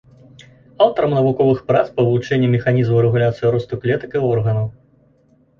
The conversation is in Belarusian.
Аўтарам навуковых прац па вывучэнні механізмаў рэгуляцыі росту клетак і органаў.